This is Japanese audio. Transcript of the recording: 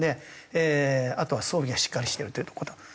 あとは装備がしっかりしてるという事。